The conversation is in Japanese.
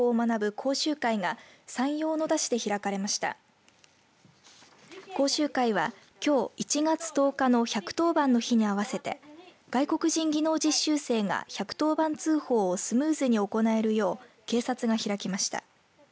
講習会は、きょう１月１０日の１１０番の日に合わせて外国人技能実習生が１１０番通報をスムーズに行えるよう警察が開きました。